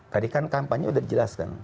tadi kan kampanye sudah dijelaskan